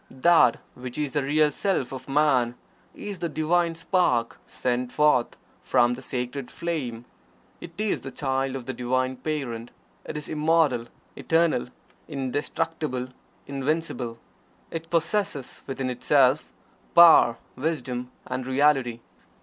That which is the Real Self of Man is the Divine Spark sent forth from the Sacred Flame. It is the Child of the Divine Parent. It is Immortal Eternal Indestructible Invincible. It possesses within itself Power, Wisdom, and Reality.